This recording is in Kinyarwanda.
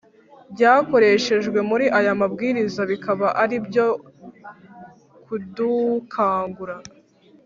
byakoreshejwe muri aya Mabwiriza bikaba ari ibyo kudukangura